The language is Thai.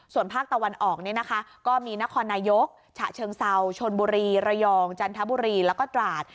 ส่วนภาคตะวันออกเนี่ยนะคะก็มีนครนายกฉะเชิงเซาชนบุรีระยองจันทบุรีแล้วก็ตราด